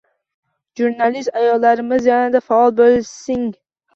Jurnalist ayollarimiz yanada faol bo‘lsinng